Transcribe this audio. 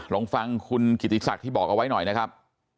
ลองฟังคุณกิติศักดิ์ที่บอกเอาไว้หน่อยนะครับ